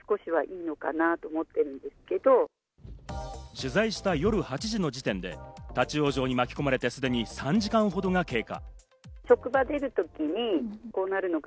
取材した夜８時の時点で立ち往生に巻き込まれてすでに３時間ほどが経過。